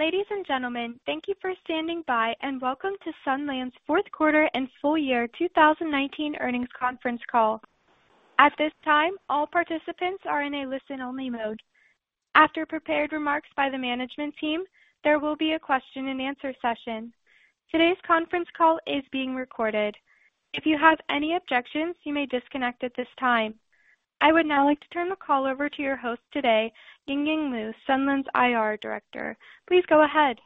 Ladies and gentlemen, thank you for standing by, and welcome to Sunlands fourth quarter and full year 2019 earnings conference call. At this time, all participants are in a listen-only mode. After prepared remarks by the management team, there will be a question and answer session. Today's conference call is being recorded. If you have any objections, you may disconnect at this time. I would now like to turn the call over to your host today, Yingying Liu, Sunlands IR Director. Please go ahead.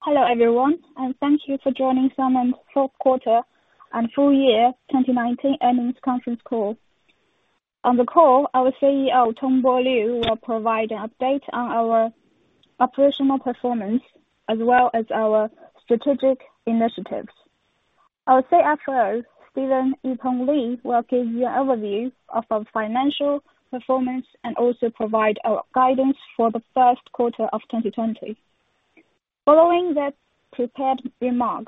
Hello, everyone, and thank you for joining Sunlands fourth quarter and full year 2019 earnings conference call. On the call, our CEO, Tongbo Liu, will provide an update on our operational performance, as well as our strategic initiatives. Our CFO, Steven Yipeng Li, will give you an overview of our financial performance and also provide our guidance for the first quarter of 2020. Following that prepared remark,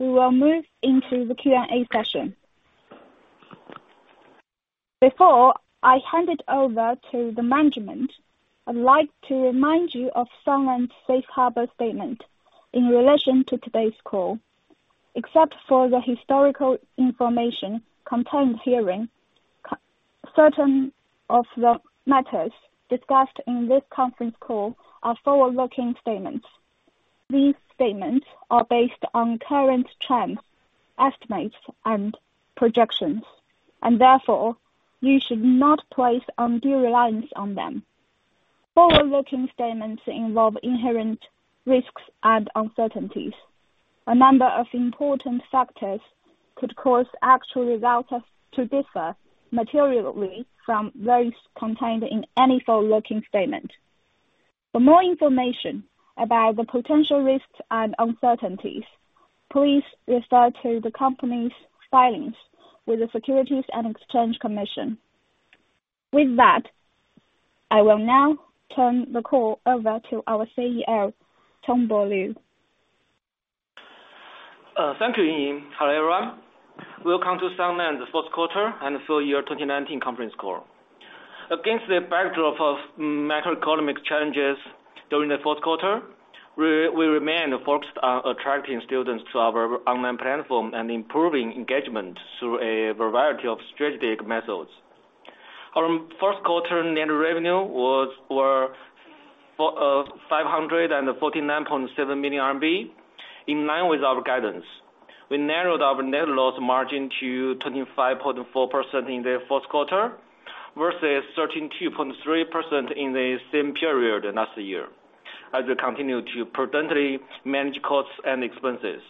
we will move into the Q&A session. Before I hand it over to the management, I'd like to remind you of Sunlands Safe Harbor statement in relation to today's call. Except for the historical information contained herein, certain of the matters discussed in this conference call are forward-looking statements. These statements are based on current trends, estimates, and projections, and therefore, you should not place undue reliance on them. Forward-looking statements involve inherent risks and uncertainties. A number of important factors could cause actual results to differ materially from those contained in any forward-looking statement. For more information about the potential risks and uncertainties, please refer to the company's filings with the Securities and Exchange Commission. With that, I will now turn the call over to our CEO, Tongbo Liu. Thank you, Yingying. Hello, everyone. Welcome to Sunlands' fourth quarter and full year 2019 conference call. Against the backdrop of macroeconomic challenges during the fourth quarter, we remain focused on attracting students to our online platform and improving engagement through a variety of strategic methods. Our first quarter net revenue was 549.7 million RMB, in line with our guidance. We narrowed our net loss margin to 25.4% in the fourth quarter versus 13.3% in the same period last year, as we continue to prudently manage costs and expenses.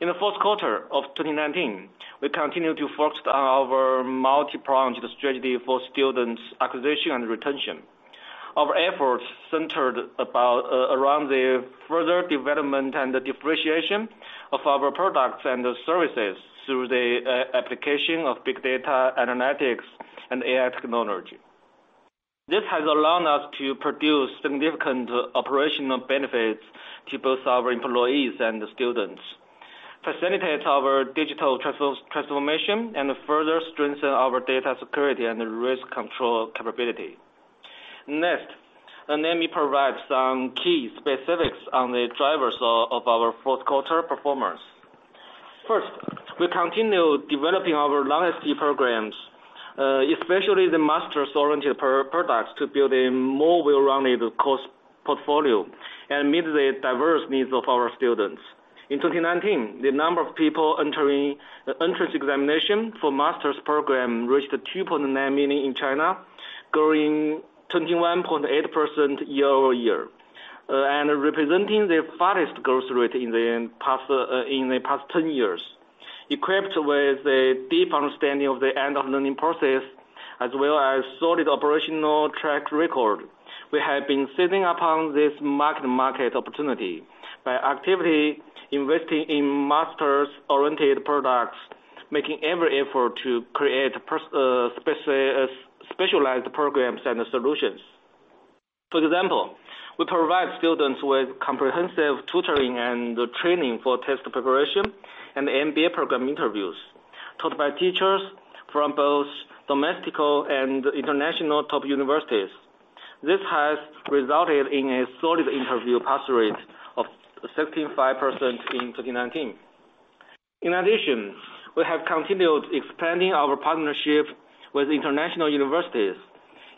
In the fourth quarter of 2019, we continued to focus on our multi-pronged strategy for students acquisition and retention. Our efforts centered around the further development and the differentiation of our products and services through the application of big data analytics and AI technology. This has allowed us to produce significant operational benefits to both our employees and the students, facilitate our digital transformation, and further strengthen our data security and risk control capability. Let me provide some key specifics on the drivers of our fourth quarter performance. We continue developing our long STE programs, especially the masters-oriented products, to build a more well-rounded course portfolio and meet the diverse needs of our students. In 2019, the number of people entering the entrance examination for master's program reached 2.9 million in China, growing 21.8% year-over-year, representing the fastest growth rate in the past 10 years. Equipped with a deep understanding of the end-of-learning process, as well as solid operational track record, we have been sitting upon this market opportunity by actively investing in masters-oriented products, making every effort to create specialized programs and solutions. For example, we provide students with comprehensive tutoring and training for test preparation and MBA program interviews taught by teachers from both domestic and international top universities. This has resulted in a solid interview pass rate of 65% in 2019. We have continued expanding our partnership with international universities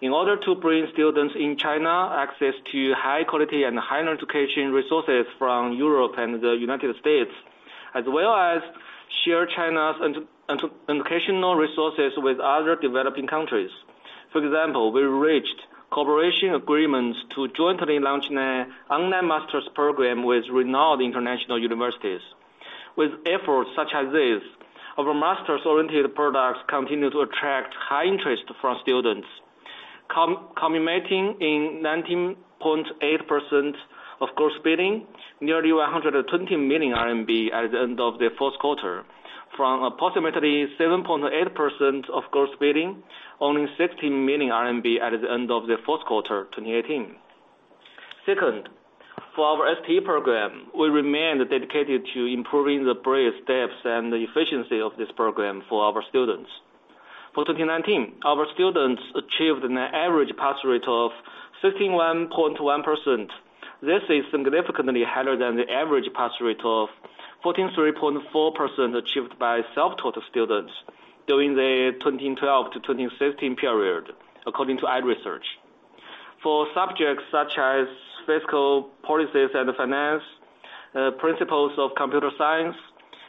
in order to bring students in China access to high quality and higher education resources from Europe and the United States, as well as share China's educational resources with other developing countries. For example, we reached cooperation agreements to jointly launch an online master's program with renowned international universities. With efforts such as this, our masters-oriented products continue to attract high interest from students, culminating in 19.8% of gross billings, nearly 120 million RMB at the end of the fourth quarter from approximately 7.8% of gross billings, only 60 million RMB at the end of the fourth quarter 2018. For our STE program, we remain dedicated to improving the breadth, depth, and the efficiency of this program for our students. For 2019, our students achieved an average pass rate of 61.1%. This is significantly higher than the average pass rate of 43.4% achieved by self-taught students during the 2012 to 2015 period, according to iResearch. For subjects such as fiscal policies and finance, principles of computer science,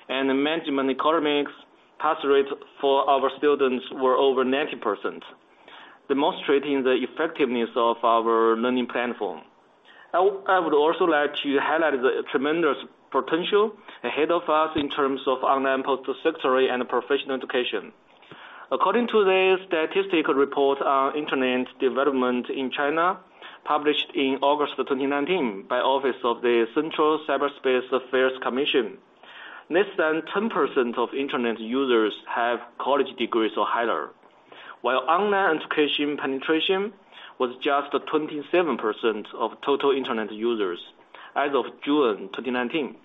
and management economics, pass rates for our students were over 90%, demonstrating the effectiveness of our learning platform. I would also like to highlight the tremendous potential ahead of us in terms of online post-secondary and professional education. According to the statistical report on Internet development in China, published in August of 2019 by Office of the Central Cyberspace Affairs Commission, less than 10% of Internet users have college degrees or higher. While online education penetration was just 27% of total Internet users as of June 2019,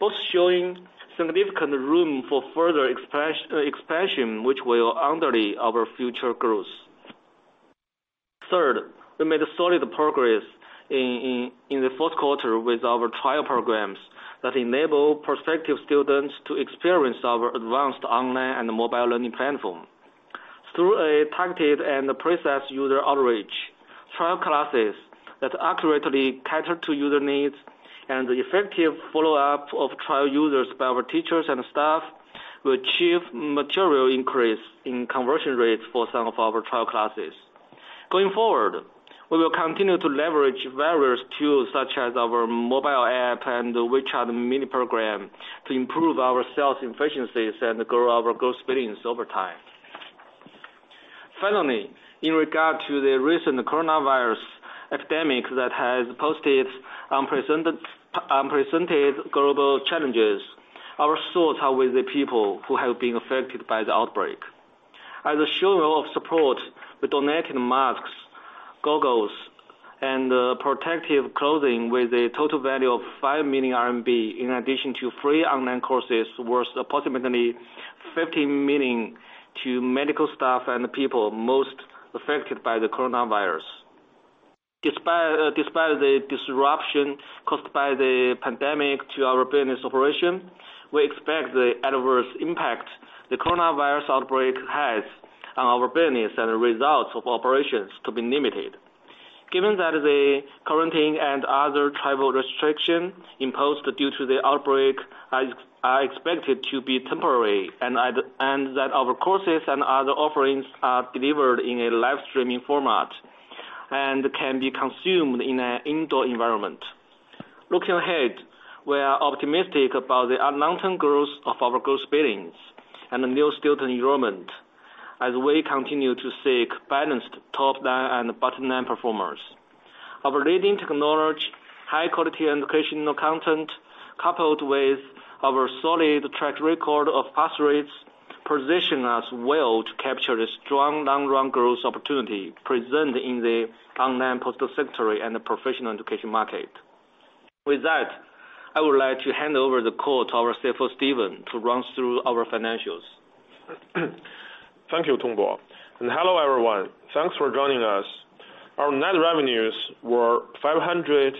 both showing significant room for further expansion, which will underlay our future growth. Third, we made solid progress in the fourth quarter with our trial programs that enable prospective students to experience our advanced online and mobile learning platform. Through a targeted and precise user outreach, trial classes that accurately cater to user needs, and the effective follow-up of trial users by our teachers and staff, we achieved material increase in conversion rates for some of our trial classes. Going forward, we will continue to leverage various tools such as our mobile app and the WeChat Mini Program to improve our sales efficiencies and grow our gross billings over time. Finally, in regard to the recent coronavirus epidemic that has posted unprecedented global challenges, our thoughts are with the people who have been affected by the outbreak. As a show of support, we donated masks, goggles, and protective clothing with a total value of 5 million RMB, in addition to free online courses worth approximately 50 million to medical staff and the people most affected by the coronavirus. Despite the disruption caused by the pandemic to our business operation, we expect the adverse impact the coronavirus outbreak has on our business and the results of operations to be limited given that the quarantine and other travel restriction imposed due to the outbreak are expected to be temporary, and that our courses and other offerings are delivered in a live-streaming format and can be consumed in an indoor environment. Looking ahead, we are optimistic about the long-term growth of our gross billings and new student enrollment as we continue to seek balanced top-line and bottom-line performance. Our leading technology, high-quality educational content, coupled with our solid track record of pass rates, position us well to capture the strong long-run growth opportunity present in the online post-secondary and professional education market. With that, I would like to hand over the call to our CFO, Steven, to run through our financials. Thank you, Tongbo, and hello, everyone. Thanks for joining us. Our net revenues were 549.7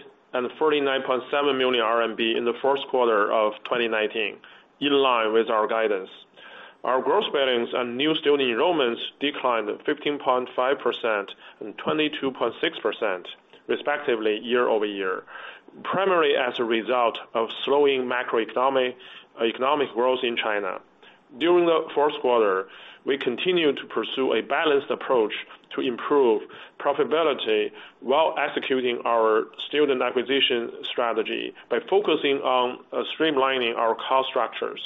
million RMB in the first quarter of 2019, in line with our guidance. Our gross billings and new student enrollments declined 15.5% and 22.6% respectively year-over-year, primarily as a result of slowing macroeconomic growth in China. During the first quarter, we continued to pursue a balanced approach to improve profitability while executing our student acquisition strategy by focusing on streamlining our cost structures.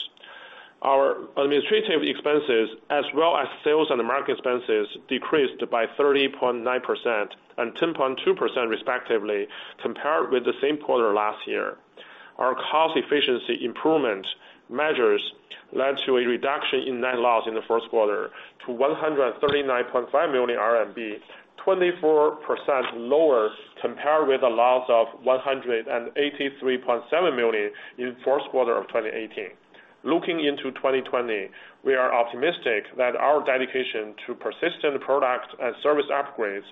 Our administrative expenses as well as sales and market expenses decreased by 30.9% and 10.2% respectively compared with the same quarter last year. Our cost efficiency improvement measures led to a reduction in net loss in the first quarter to 139.5 million RMB, 24% lower compared with a loss of 183.7 million in first quarter of 2018. Looking into 2020, we are optimistic that our dedication to persistent product and service upgrades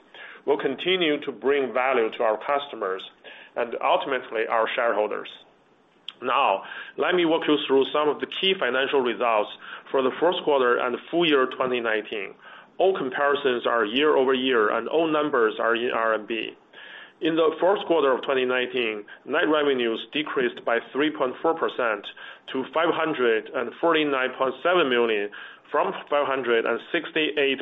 will continue to bring value to our customers and ultimately our shareholders. Now, let me walk you through some of the key financial results for the first quarter and full year 2019. All comparisons are year-over-year, and all numbers are in RMB. In the first quarter of 2019, net revenues decreased by 3.4% to 549.7 million from 568.8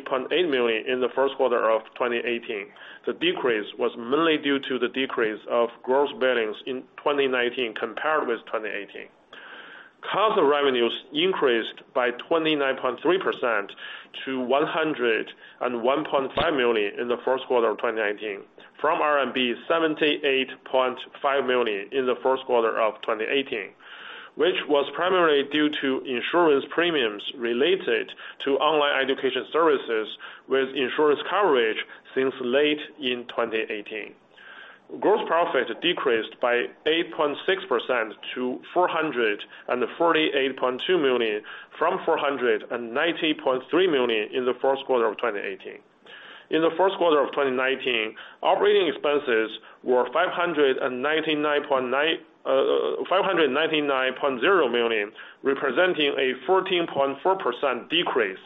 million in the first quarter of 2018. The decrease was mainly due to the decrease of gross billings in 2019 compared with 2018. Cost of revenues increased by 29.3% to 101.5 million in the first quarter of 2019 from RMB 78.5 million in the first quarter of 2018, which was primarily due to insurance premiums related to online education services with insurance coverage since late in 2018. Gross profit decreased by 8.6% to 448.2 million from 490.3 million in the first quarter of 2018. In the first quarter of 2019, operating expenses were 599.0 million, representing a 14.4% decrease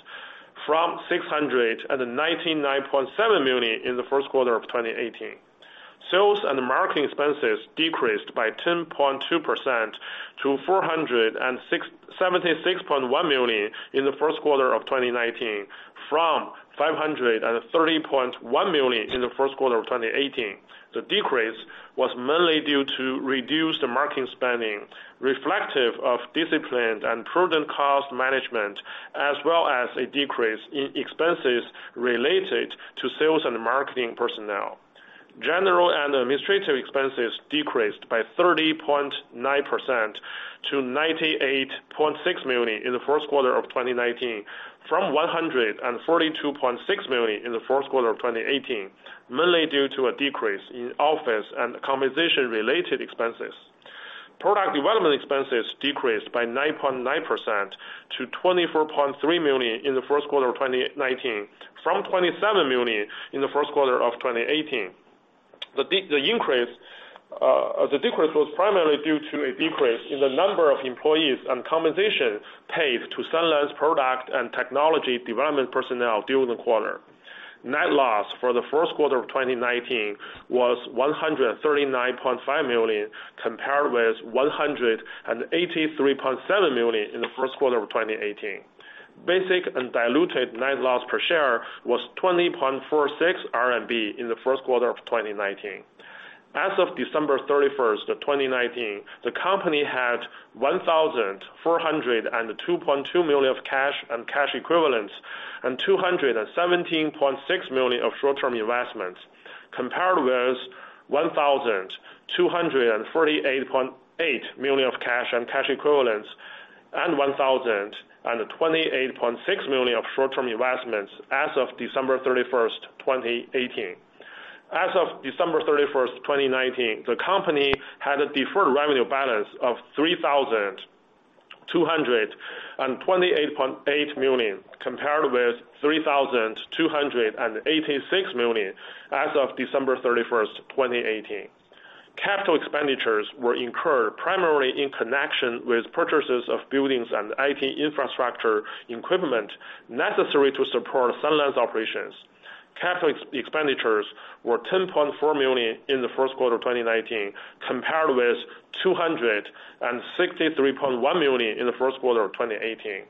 from 699.7 million in the first quarter of 2018. Sales and marketing expenses decreased by 10.2% to 476.1 million in the first quarter of 2019 from 530.1 million in the first quarter of 2018. The decrease was mainly due to reduced marketing spending, reflective of disciplined and prudent cost management, as well as a decrease in expenses related to sales and marketing personnel. General and administrative expenses decreased by 30.9% to 98.6 million in the first quarter of 2019 from 142.6 million in the first quarter of 2018, mainly due to a decrease in office and compensation related expenses. Product development expenses decreased by 9.9% to 24.3 million in the first quarter of 2019 from 27 million in the first quarter of 2018. The decrease was primarily due to a decrease in the number of employees and compensation paid to Sunlands product and technology development personnel during the quarter. Net loss for the first quarter of 2019 was 139.5 million, compared with 183.7 million in the first quarter of 2018. Basic and diluted net loss per share was 20.46 RMB in the first quarter of 2019. As of December 31st, 2019, the company had 1,402.2 million of cash and cash equivalents and 217.6 million of short-term investments, compared with 1,248.8 million of cash and cash equivalents and 1,028.6 million of short-term investments as of December 31st, 2018. As of December 31st, 2019, the company had a deferred revenue balance of 3,228.8 million, compared with 3,286 million as of December 31st, 2018. Capital expenditures were incurred primarily in connection with purchases of buildings and IT infrastructure equipment necessary to support Sunlands operations. Capital expenditures were 10.4 million in the first quarter of 2019, compared with 263.1 million in the first quarter of 2018.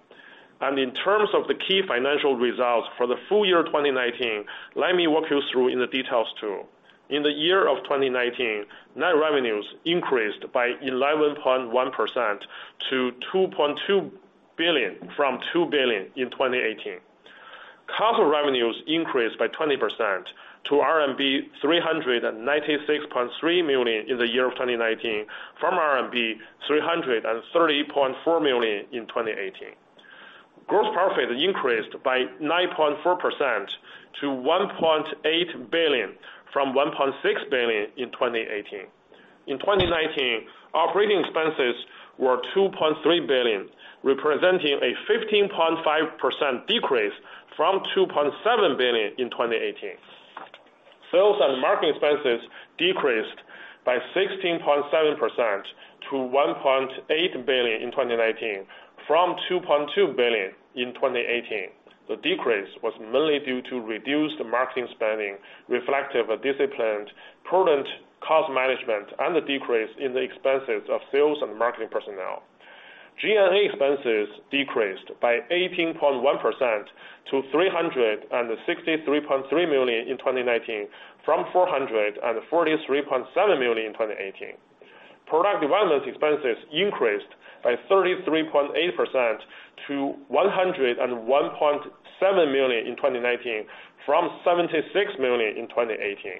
In terms of the key financial results for the full year of 2019, let me walk you through in the details too. In the year of 2019, net revenues increased by 11.1% to 2.2 billion from 2 billion in 2018. Cost of revenues increased by 20% to RMB 396.3 million in the year of 2019 from RMB 330.4 million in 2018. Gross profit increased by 9.4% to 1.8 billion from 1.6 billion in 2018. In 2019, operating expenses were 2.3 billion, representing a 15.5% decrease from 2.7 billion in 2018. Sales and marketing expenses decreased by 16.7% to 1.8 billion in 2019 from 2.2 billion in 2018. The decrease was mainly due to reduced marketing spending reflective of disciplined prudent cost management and the decrease in the expenses of sales and marketing personnel. G&A expenses decreased by 18.1% to 363.3 million in 2019 from 443.7 million in 2018. Product development expenses increased by 33.8% to 101.7 million in 2019 from 76 million in 2018.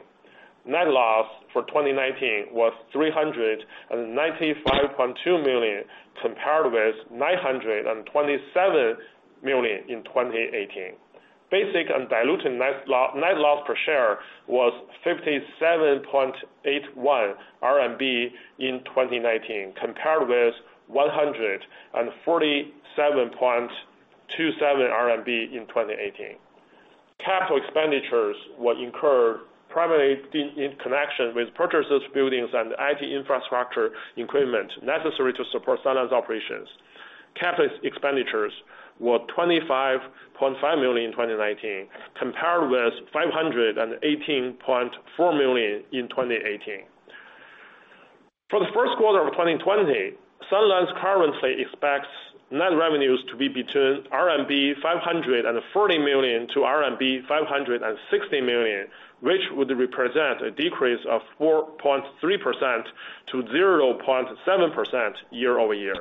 Net loss for 2019 was 395.2 million, compared with 927 million in 2018. Basic and diluted net loss per share was 57.81 RMB in 2019, compared with 147.27 RMB in 2018. Capital expenditures were incurred primarily in connection with purchases of buildings and IT infrastructure equipment necessary to support Sunlands operations. Capital expenditures were 25.5 million in 2019, compared with 518.4 million in 2018. For the first quarter of 2020, Sunlands currently expects net revenues to be between RMB 540 million to RMB 560 million, which would represent a decrease of 4.3%-0.7% year-over-year.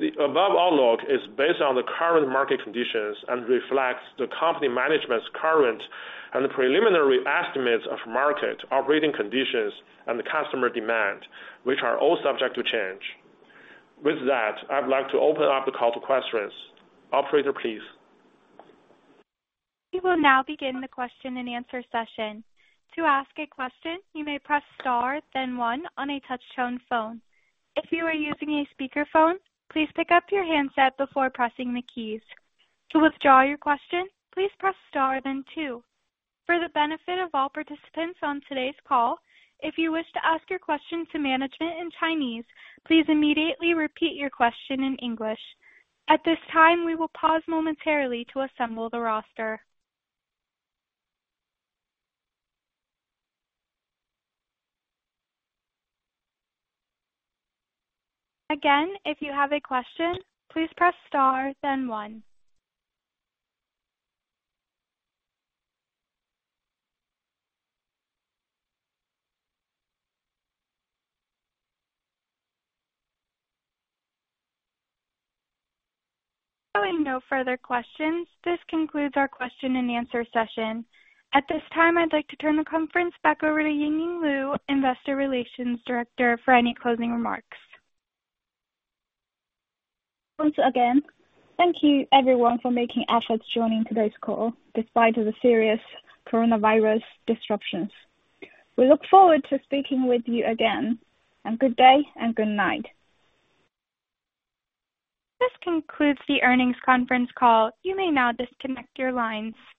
The above outlook is based on the current market conditions and reflects the company management's current and preliminary estimates of market operating conditions and customer demand, which are all subject to change. With that, I'd like to open up the call to questions. Operator, please. We will now begin the question and answer session. To ask a question, you may press star then one on a touch-tone phone. If you are using a speakerphone, please pick up your handset before pressing the keys. To withdraw your question, please press star then two. For the benefit of all participants on today's call, if you wish to ask your question to management in Chinese, please immediately repeat your question in English. At this time, we will pause momentarily to assemble the roster. Again, if you have a question, please press star then one. Showing no further questions. This concludes our question and answer session. At this time, I'd like to turn the conference back over to Yingying Liu, Investor Relations Director, for any closing remarks. Once again, thank you everyone for making efforts joining today's call despite of the serious coronavirus disruptions. We look forward to speaking with you again. Good day and good night. This concludes the earnings conference call. You may now disconnect your lines.